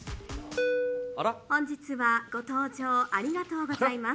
本日はご搭乗ありがとうございます。